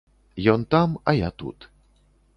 Ён там, а я тут.